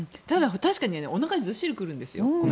確かにおなかにずっしり来るんですよ。